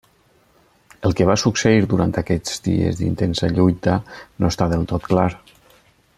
El que va succeir durant aquests dies d'intensa lluita no està del tot clar.